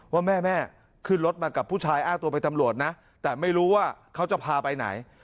ว่าแม่แม่ขึ้นรถมากับผู้ชายอ้างตัวเป็นตำรวจนะแต่ไม่รู้ว่าเขาจะพาไปไหน